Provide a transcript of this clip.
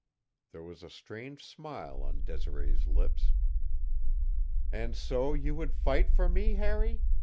There was a strange smile on Desiree's lips. "And so you would fight for me, Harry?"